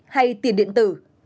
hay tiền điện tử